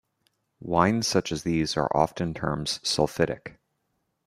Wines such as these are often termed "sulfitic".